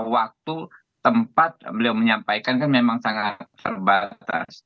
waktu tempat beliau menyampaikan kan memang sangat terbatas